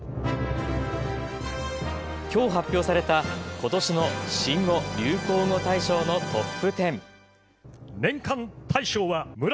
きょう発表されたことしの新語・流行語大賞のトップテン。